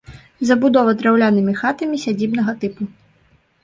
Забудова драўлянымі хатамі сядзібнага тыпу.